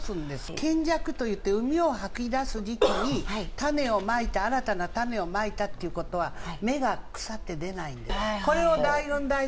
けんじゃくといってうみを吐き出すっていう時期に、種をまいて、新たな種をまいたということは、芽が腐って出ないんです。